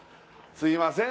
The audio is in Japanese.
すいません